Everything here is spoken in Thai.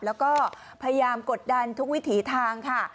แล้วก็พยายามกดดันทุกวิถีทางค่ะ